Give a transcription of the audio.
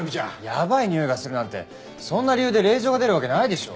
「やばいにおいがする」なんてそんな理由で令状が出るわけないでしょ。